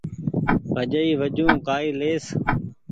ڀجئي وجون ڪآئي ليئس